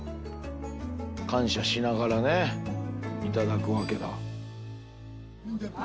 感謝しながらね頂くわけだ。